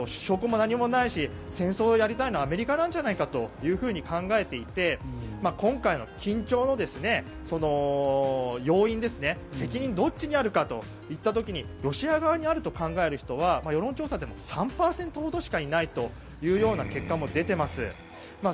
証拠もなにもないし戦争をやりたいのはアメリカなんじゃないかというふうに考えていて今回の緊張の要因、責任はどっちにあるかといった時にロシア側にあると考える人は世論調査でも３％ほどしかいないというような結果も出ています。